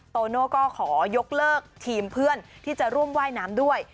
โตโน่ก็ขอยกเลิกทีมเพื่อนที่จะร่วมว่ายน้ำด้วย